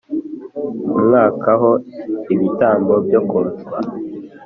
Umwaka ho ibitambo byo koswa